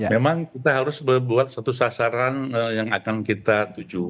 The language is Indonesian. memang kita harus berbuat satu sasaran yang akan kita tuju